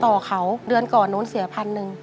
ต่อเขาเดือนก่อนโน้นเสีย๑๐๐๐บาท